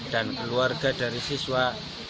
dan keluarga dari siswa